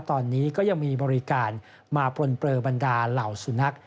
ตอนนี้ก็ยังมีบริการมาปลนเปลือบรรดาเหล่าสุนัข